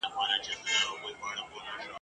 نن ایله دهقان شیندلي دي تخمونه !.